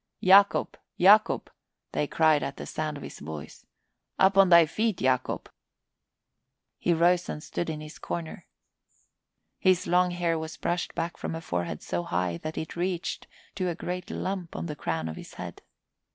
"Yacob! Yacob!" they cried at the sound of his voice, "Up on thy feet, Yacob!" He rose and stood in his corner. His long hair was brushed back from a forehead so high that it reached to a great lump on the crown of his head.